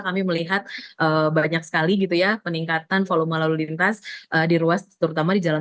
kami melihat banyak sekali gitu ya peningkatan volume lalu lintas di ruas terutama di jalan